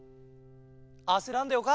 あせらんでよか。